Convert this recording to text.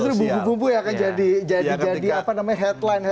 justru bumbu bumbunya akan jadi headline headline itu